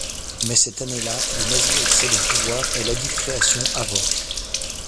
Mais cette année-là, les Nazis accèdent au pouvoir et ladite création avorte.